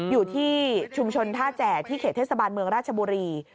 อยู่ที่ชุมชนท่าแจ่ที่เขตเทศบาลเมืองราชบุรี